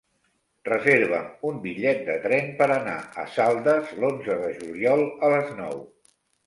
Reserva'm un bitllet de tren per anar a Saldes l'onze de juliol a les nou.